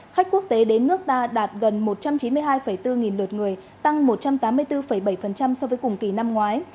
khách quốc tế đến nước ta đạt gần một trăm chín mươi hai bốn nghìn lượt người tăng một trăm tám mươi bốn bảy so với cùng kỳ năm ngoái